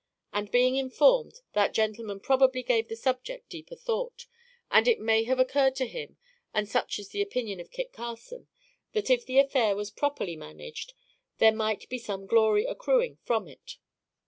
and, being informed, that gentleman probably gave the subject deeper thought, and it may have occurred to him, and such is the opinion of Kit Carson, that if the affair was properly managed, there might be some glory accruing from it.